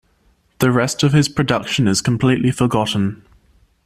The rest of his production is completely forgotten.